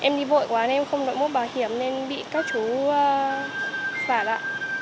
em đi vội quá nên em không đội mũ bảo hiểm nên bị các chú phạt ạ